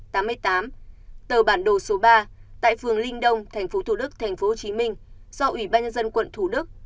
tờ bản đồ số ba tại phường linh đông thành phố thủ đức thành phố hồ chí minh do ủy ban nhân dân quận thủ đức